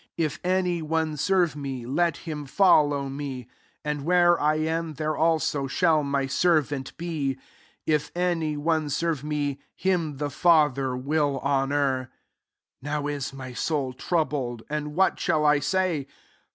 26 If any one serve me, let him follow me ; and, where I am, there also shall my servant be : if any one serve me, him the Father will honour. Sr" Now is my soul troubled: and what shall I say